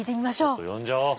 ちょっと呼んじゃおう。